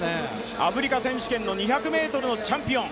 アフリカ選手権、２００ｍのチャンピオン。